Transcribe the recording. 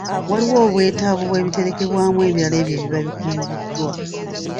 Waliwo obwetaavu bw'ebiterekebwamu ebirala ebyo ebiba bikunguddwa.